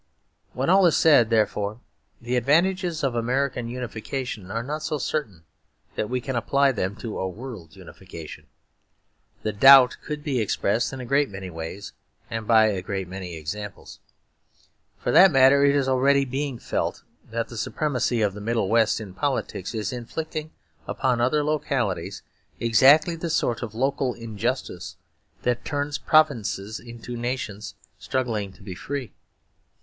When all is said, therefore, the advantages of American unification are not so certain that we can apply them to a world unification. The doubt could be expressed in a great many ways and by a great many examples. For that matter, it is already being felt that the supremacy of the Middle West in politics is inflicting upon other localities exactly the sort of local injustice that turns provinces into nations struggling to be free.